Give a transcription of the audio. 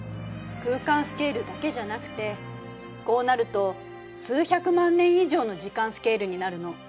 空間スケールだけじゃなくてこうなると数百万年以上の時間スケールになるの。